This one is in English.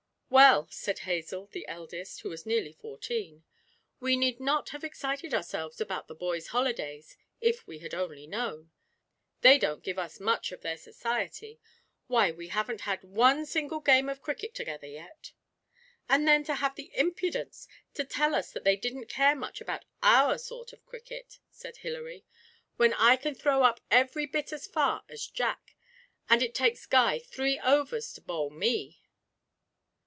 'Well,' said Hazel, the eldest, who was nearly fourteen, 'we need not have excited ourselves about the boys' holidays, if we had only known. They don't give us much of their society why, we haven't had one single game of cricket together yet!' 'And then to have the impudence to tell us that they didn't care much about our sort of cricket!' said Hilary, 'when I can throw up every bit as far as Jack, and it takes Guy three overs to bowl me!